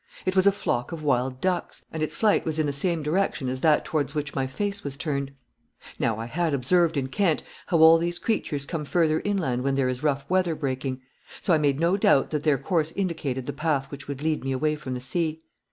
It was a flock of wild ducks, and its flight was in the same direction as that towards which my face was turned. Now, I had observed in Kent how all these creatures come further inland when there is rough weather breaking, so I made no doubt that their course indicated the path which would lead me away from the sea.